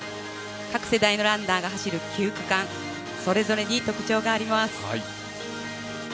各世代のランナーが走る９区間それぞれに特徴があります。